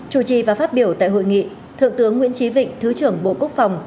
chủ trì và phát biểu tại hội nghị thượng tướng nguyễn trí vịnh thứ trưởng bộ quốc phòng